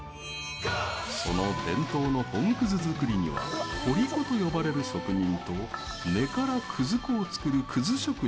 その伝統の本葛作りには掘り子と呼ばれる職人と根から葛粉を作る葛職人